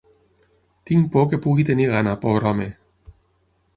Tinc por que pugui tenir gana, pobre home.